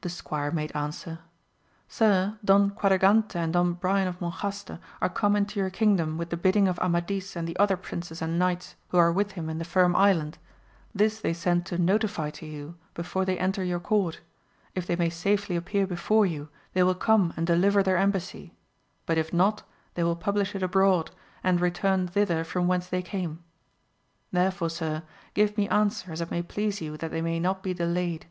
The squire made answer, Sir, Don Quadragante and Don Brian of Monjaste are come into your kingdom with the bidding of Amadis and the other princes and knights who are with him in the Firm Island, this they send to notify to you, before they enter your court ; if they may safely appear before you, they will come and deliver their embassy, but if not, they will publish it abroad, and return thither from whence they came. Therefore sir, give me answer as it may please you that they may not be delayed.